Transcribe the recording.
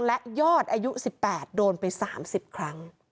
และยอดอายุ๑๘โดนไป๓๐ครั้ง